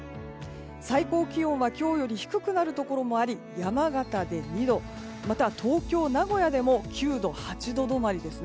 最高気温は今日より低くなるところもあり山形で２度また東京、名古屋でも９度、８度止まりですね。